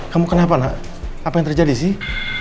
kamu kenapa nak apa yang terjadi sih